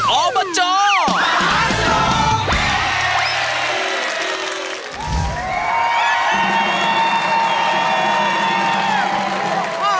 ออบจภาษาโลก